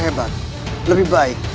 aku akan menang